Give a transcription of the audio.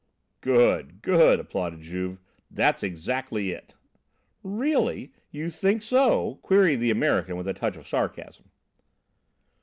"Good good," applauded Juve. "That's exactly it!" "Really! You think so?" queried the American with a touch of sarcasm.